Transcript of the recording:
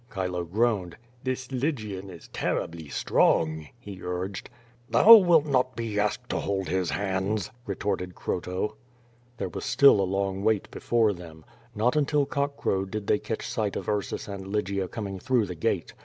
Chilo groaned. "This Lygian is terribly strong," he urged. "Thou wilt not be asked to hold his hands," retorted Croto. There was still a long wait before them. Not until cock crow did they catch sight of Ursus and Lygia coming through the gate.